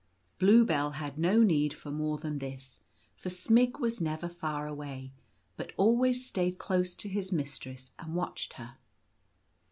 Bluebell had no need for more than this, for Smg was never far away, but always stayed close to his mistress and watched her.